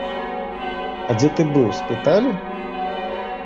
А дзе ты быў, спыталі.